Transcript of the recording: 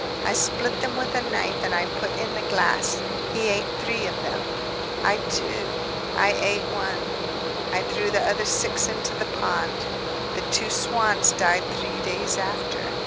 I split them with a knife and I put in the glass ... He ate three of them ... I too, I ate one ... I threw the other six into the pond. The two swans died three days after